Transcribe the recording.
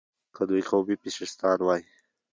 که دوی قومي فشیستان وای.